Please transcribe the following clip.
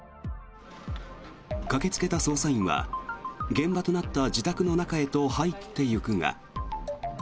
駆けつけた捜査員は現場となった自宅の中へと入っていくが。